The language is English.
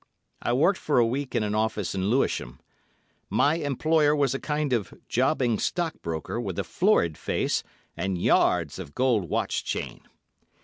I worked for a week in an office in Lewisham. My employer was a kind of jobbing stockbroker with a florid face and yards of gold watch chain.